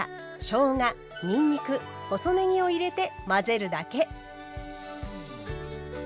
にんにく細ねぎを入れて混ぜるだけ。